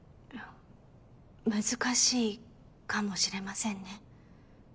難しいかもしれませんね。